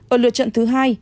ở lượt trận thứ hai